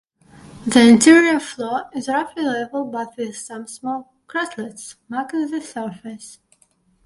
The interior floor is roughly level but with some small craterlets marking the surface.